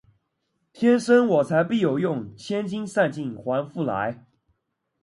天生我材必有用，千金散尽还复来